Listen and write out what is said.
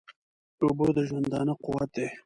اوبه د ژوندانه قوت دي